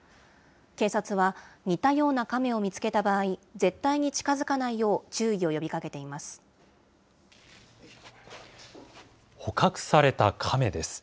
警察は、似たようなカメを見つけた場合、絶対に近づかないよう、注意を呼捕獲されたカメです。